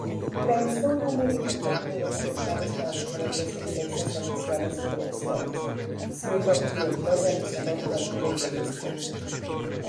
Realizó un número importante de documentales para diferentes empresas oficiales y televisiones, siendo director-realizador-creativo-guionista.